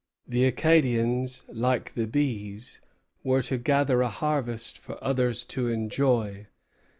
The Acadians, like the bees, were to gather a harvest for others to enjoy.